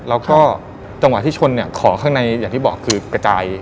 แล้วก็จังหวะที่ชนเนี่ยของข้างในอย่างที่บอกคือกระจาย